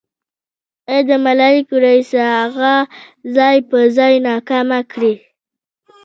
ای د ملايکو ريسه اغه ځای په ځای ناکامه کړې.